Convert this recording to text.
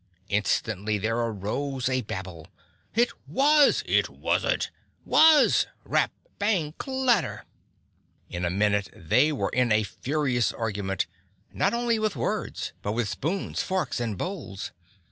Instantly there arose a babble. "It was!" "It wasn't!" "Was!" Rap, bang, clatter. In a minute they were in a furious argument, not only with words but with spoons, forks and bowls.